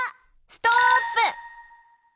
ストップ！